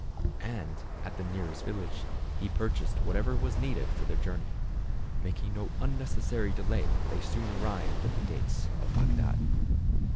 And, at the nearest village, he purchased whatever was needed for their journey. Making no unnecessary delay they soon arrived at the gates of Bagdad.